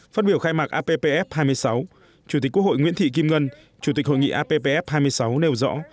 phát biểu khai mạc appf hai mươi sáu chủ tịch quốc hội nguyễn thị kim ngân chủ tịch hội nghị appf hai mươi sáu nêu rõ